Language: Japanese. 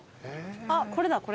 あっこれだこれ。